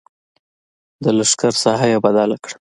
د لښکر ساحه یې بدله کړه.